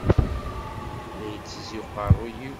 La ittezzi uqerruy-iw.